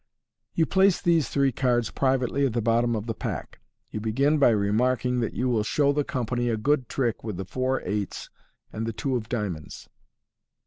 You place these three cards privately at the bottom of the pack. You begin by remarking that you will show the company a good trick with the four eights and the two of diamonds.